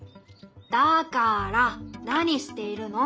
だから何しているの？